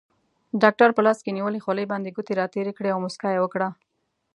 ډاکټر په لاس کې نیولې خولۍ باندې ګوتې راتېرې کړې او موسکا یې وکړه.